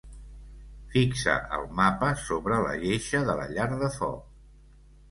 Fixa el mapa sobre la lleixa de la llar de foc.